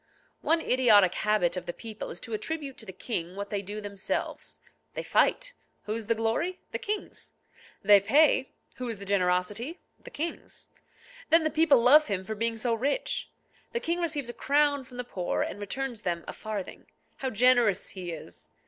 One idiotic habit of the people is to attribute to the king what they do themselves. They fight. Whose the glory? The king's. They pay. Whose the generosity? The king's. Then the people love him for being so rich. The king receives a crown from the poor, and returns them a farthing. How generous he is!